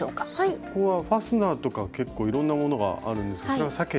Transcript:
そこはファスナーとか結構いろんなものがあるんですがそれは避けて。